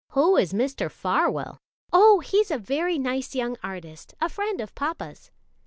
"Who is Mr. Farwell?" "Oh, he's a very nice young artist, a friend of papa's."